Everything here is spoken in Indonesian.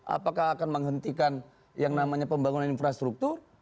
apakah akan menghentikan yang namanya pembangunan infrastruktur